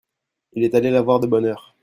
Il est allé la voir de bonne heure.